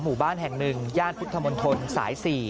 หมู่บ้านแห่งหนึ่งย่านพุทธมณฑลสาย๔